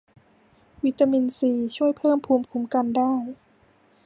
วิตามินซีช่วยเพิ่มภูมิคุ้มกันได้